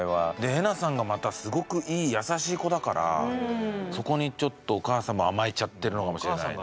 えなさんがまたすごくいい優しい子だからそこにちょっとお母さんも甘えちゃってるのかもしれないね。